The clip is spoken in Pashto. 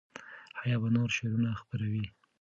حیا به نور شعرونه خپروي.